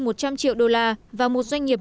một trăm linh triệu đô la và một doanh nghiệp